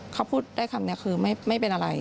เขาพูดได้คำนี้คือไม่เป็นอะไร